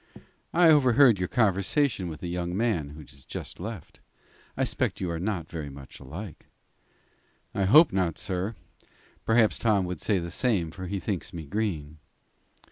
"I overheard your conversation with the young man who has just left you. I suspect you are not very much alike." "I hope not, sir. Perhaps Tom would say the same, for he thinks me green."